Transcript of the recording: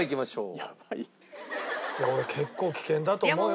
いや俺結構危険だと思うよこれ。